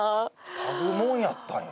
嗅ぐもんやったんや。